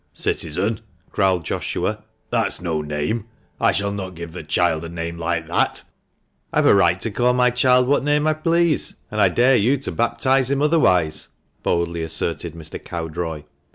— "Citizen?" growled. Joshua, " that's no name. I shall not give the child a name like that !"" I've a right to call my child what name I please, and I dare you to baptise him otherwise," boldly asserted Mr. Cowdroy.